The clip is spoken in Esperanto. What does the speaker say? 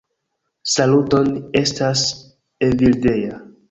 "Saluton, estas Evildea.